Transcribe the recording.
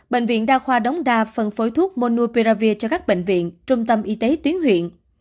bệnh viện đa khoa đóng đa phân phối thuốc monopiravir cho các bệnh viện trung tâm y tế tuyến huyện